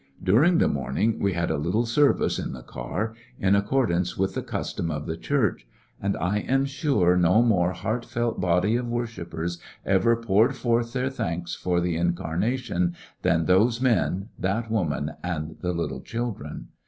During the morning we had a little service Christmas ser mcganddinn€r, m the car, in accordance with the custom of too 181 flecoUections of a the Church, and I am sure no more heartfelt body of worshippers ever poured forth their thanks for the Incarnation than those men, that woman, and the little children.